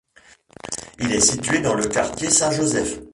Il est situé dans le quartier saint-Joseph.